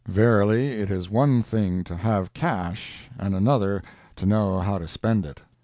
Verily it is one thing to have cash and another to know how to spend it.